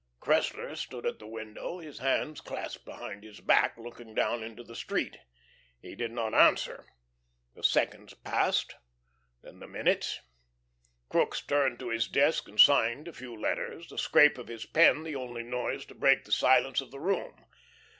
Cressler stood at the window, his hands clasped behind his back, looking down into the street. He did not answer. The seconds passed, then the minutes. Crookes turned to his desk and signed a few letters, the scrape of his pen the only noise to break the silence of the room.